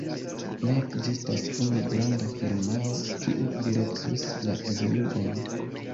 Ne ekzistas unu granda firmao, kiu direktus la evoluon.